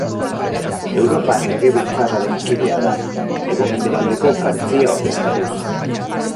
Europar Legebiltzarraren kidea da, hego-mendebaldeko Frantzia ordezkatuz.